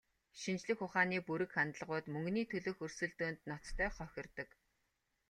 Шинжлэх ухааны бүрэг хандлагууд мөнгөний төлөөх өрсөлдөөнд ноцтой хохирдог.